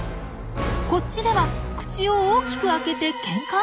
こっちでは口を大きく開けてケンカ！？